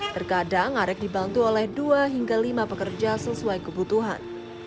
terkadang arek dibantu oleh dua hingga lima pekerja sesuai kebutuhan